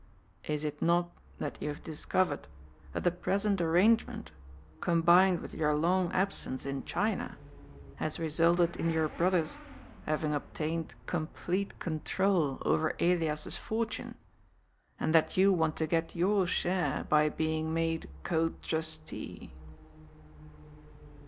Is it not that you have discovered that the present arrangement, combined with your long absence in China, has resulted in your brother's having obtained complete control over Elias's fortune, and that you want to get your share by being made co trustee